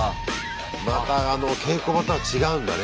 また稽古場とは違うんだね。